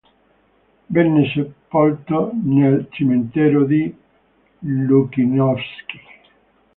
Venne sepolto nel cimitero di Lukyanovsky.